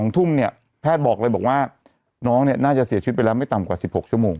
ทุ่มเนี่ยแพทย์บอกเลยบอกว่าน้องเนี่ยน่าจะเสียชีวิตไปแล้วไม่ต่ำกว่า๑๖ชั่วโมง